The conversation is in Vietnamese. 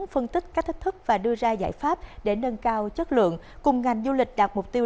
phân tích các thách thức và đưa ra giải pháp để nâng cao chất lượng cùng ngành du lịch đạt mục tiêu